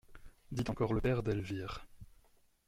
Dit encore le père d'Elvire.